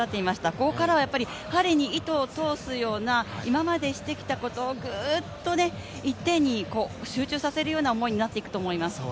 ここからは針に糸を通すような、今までしてきたことをグーッと一点に集中させるような思いになっていくと思います。